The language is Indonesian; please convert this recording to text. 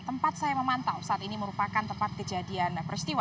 tempat saya memantau saat ini merupakan tempat kejadian peristiwa